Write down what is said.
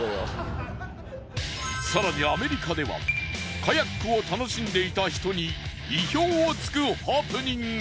更にアメリカではカヤックを楽しんでいた人に意表を突くハプニング。